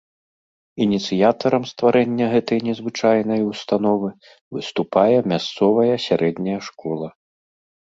Ініцыятарам стварэння гэтай незвычайнай установы выступае мясцовая сярэдняя школа.